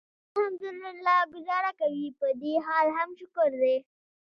شکر الحمدلله ګوزاره کوي، پدې حال هم شکر دی.